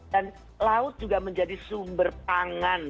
dan laut juga menjadi sumber pangan